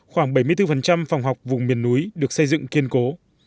khoảng bảy mươi bốn phòng học vùng miền núi được xây dựng kiên cố